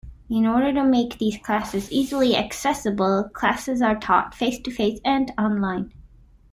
In order to make these classes easily accessible, classes are taught face-to-face and online.